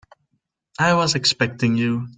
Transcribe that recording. I was expecting you.